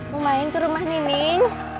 mau main ke rumah nining